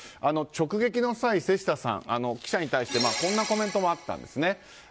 直撃の際、瀬下さん記者に対してこんなコメントもあったんです。